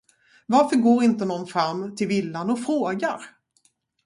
Varför går inte någon fram till villan och frågar?